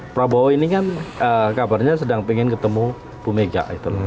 prabowo ini kan kabarnya sedang ingin ketemu bu mega